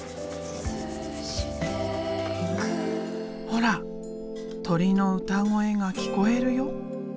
ほら鳥の歌声が聞こえるよ。